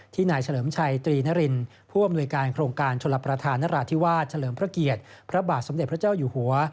นายเฉลิมชัยตรีนรินผู้อำนวยการโครงการชลประธานนราธิวาสเฉลิมพระเกียรติพระบาทสมเด็จพระเจ้าอยู่หัว